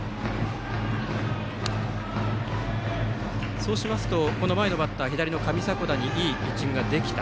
そうしますと、この前のバッター左の上迫田にいいピッチングができた。